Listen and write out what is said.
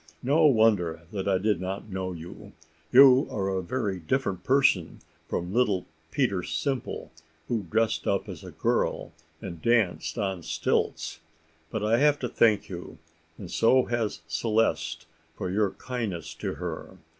"No wonder that I did not know you; you are a very different person from little Peter Simple, who dressed up as a girl and danced on stilts. But I have to thank you, and so has Celeste, for your kindness to her.